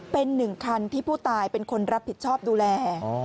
เป็นหนึ่งคันที่ผู้ตายเป็นคนรับผิดชอบดูแล